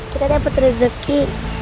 kita dapat rezeki